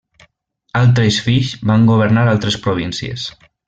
Altres fills van governar altres províncies.